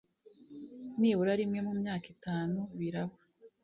nibura rimwe mu myaka itanu biraba